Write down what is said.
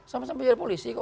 sama sama pikir polisi kok